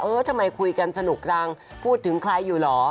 ทำไมคุยกันสนุกจังพูดถึงใครอยู่เหรอ